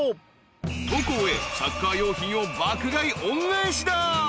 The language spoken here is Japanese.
［母校へサッカー用品を爆買い恩返しだ］